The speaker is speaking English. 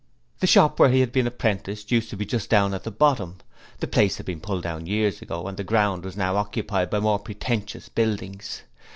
The shop where he had been apprenticed used to be just down at the bottom; the place had been pulled down years ago, and the ground was now occupied by more pretentious buildings.